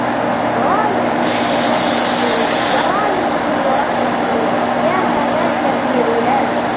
غايةٌ تُـشَــرِّفُ ورايـةٌ ترَفـرِفُ يا هَـــنَــاكْ فـي عُـــلاكْ